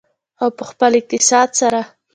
او په خپل اقتصاد سره.